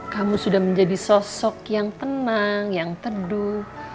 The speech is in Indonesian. kamu sudah menjadi sosok yang tenang yang teduh